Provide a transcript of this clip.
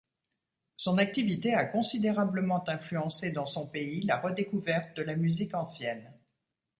Son activité a considérablement influencé dans son pays la redécouverte de la musique ancienne.